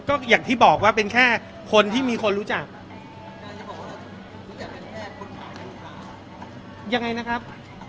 ก็อย่างที่บอกว่าเป็นแค่คนที่มีคนรู้จักเป็นแค่ยังไงนะครับ